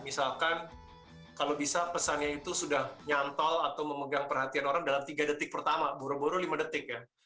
misalkan kalau bisa pesannya itu sudah nyantol atau memegang perhatian orang dalam tiga detik pertama buru buru lima detik ya